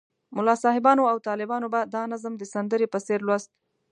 ملا صاحبانو او طالبانو به دا نظم د سندرې په څېر لوست.